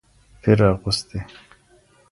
پیر اغوستې